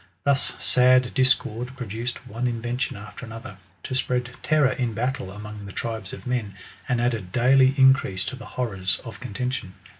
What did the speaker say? Thns sad discord produced one invention after another, to spread terror in battle among the tribes of men, and added dsolj increase to the horrors of contention.